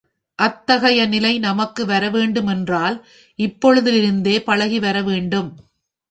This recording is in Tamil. அத்தகைய நிலை நமக்கும் வரவேண்டுமென்றால் இப்பொழுதிலிருந்தே பழகி வர வேண்டும்.